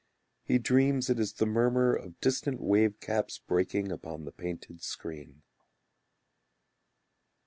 He dreams it is the murmur Of distant wave caps breaking Upon the painted screen.